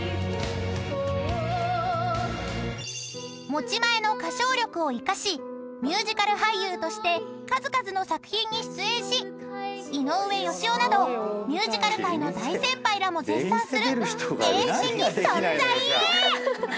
［持ち前の歌唱力を生かしミュージカル俳優として数々の作品に出演し井上芳雄などミュージカル界の大先輩らも絶賛するエース的存在！］